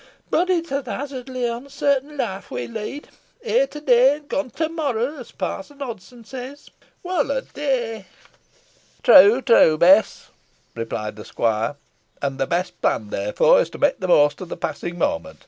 Boh it's a kazzardly onsartin loife we lead. Here to day an gone the morrow, as Parson Houlden says. Wall a day!" "True, true, Bess," replied the squire, "and the best plan therefore is, to make the most of the passing moment.